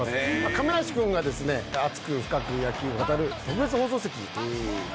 亀梨君が熱く深く野球を語る特別放送席「かめなシート」。